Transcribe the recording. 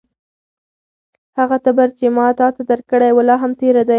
هغه تبر چې ما تاته درکړی و، لا هم تېره دی؟